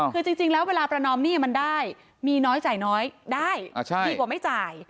คือจริงแล้วเวลาประนอมหนี้มันได้มีน้อยจ่ายน้อยได้ดีกว่าไม่จ่าย